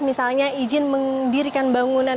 misalnya izin mendirikan bangunan